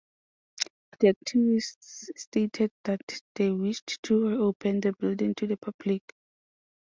The activists stated that they wished to reopen the building to the public.